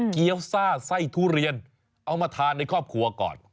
เกี้ยวซ่าไส้ทุเรียนเอามาทานในครอบครัวก่อน